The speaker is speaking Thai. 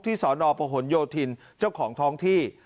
สนประหลโยธินเจ้าของท้องที่